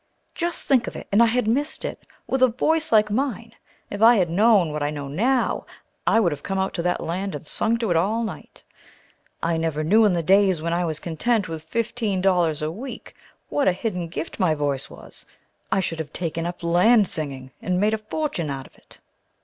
Just think of it! And I had missed it! With a voice like mine. If I had known what I know now, I would have come out to that land and sung to it all night. I never knew in the days when I was content with fifteen dollars a week what a hidden gift my voice was. I should have taken up land singing and made a fortune out of it.